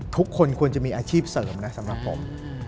ทุกคนควรจะมีอาชีพเสริมนะสำหรับผม